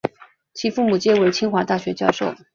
其父母皆为清华大学教授。